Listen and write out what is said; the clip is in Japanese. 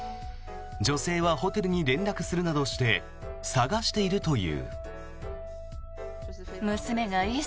女性はホテルに連絡するなどして探しているという。